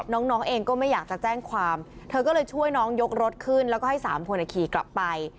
น้องเองก็ไม่อยากจะแจ้งความเธอก็เลยช่วยน้องยกรถขึ้นแล้วก็ให้๓คนขี่กลับไป